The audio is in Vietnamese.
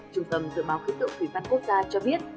trung tâm dự báo khí tượng thủy văn quốc gia cho biết